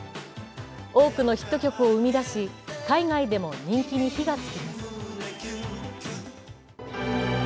多くのヒット曲を生み出し、海外でも人気に火がつきます。